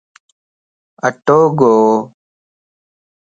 اٽو ڳو